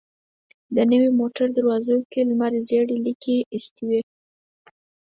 د نوې موټر دروازو کې لمر ژېړې ليکې ايستې وې.